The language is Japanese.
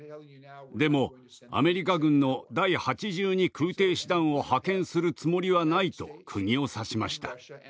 でもアメリカ軍の第８２空挺師団を派遣するつもりはないとくぎを刺しました。